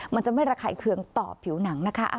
มันจะไม่ระไข่เคืองต่อผิวหนังนะคะ